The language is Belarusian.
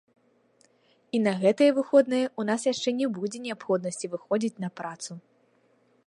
І на гэтыя выходныя ў нас яшчэ не будзе неабходнасці выходзіць на працу.